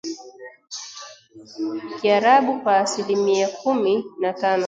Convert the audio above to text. kiarabu kwa asilimia kumi na tano